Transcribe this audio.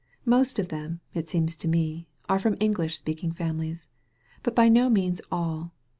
Most of them, it seems to me, are from English speaking families. But by no means all.